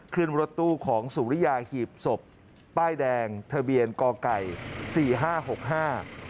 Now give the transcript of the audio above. ขึ้นรถตู้ของสุริยาหีบศพป้ายแดงทะเบียนก่อไก่สี่ห้าหกห้า